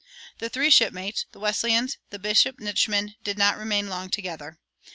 "[125:1] The three shipmates, the Wesleys and Bishop Nitschmann, did not remain long together.